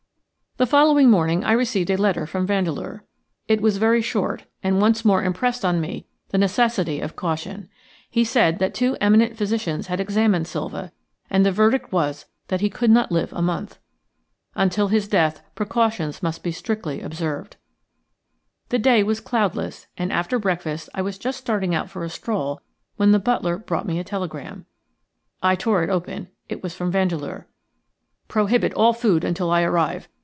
The following morning I received a letter from Vandeleur. It was very short, and once more impressed on me the necessity of caution. He said that two eminent physicians had examined Silva, and the verdict was that he could not live a month. Until his death precautions must be strictly observed. The day was cloudless, and after breakfast I was just starting out for a stroll when the butler brought me a telegram. I tore it open; it was from Vandeleur. "Prohibit all food until I arrive.